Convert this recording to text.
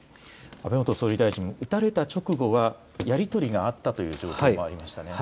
安倍元総理大臣、撃たれた直後はやり取りがあったという情報もありましたね。